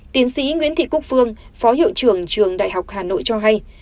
tiến sĩ nguyễn thị quốc phương phó hiệu trưởng trường đại học hà nội cho hay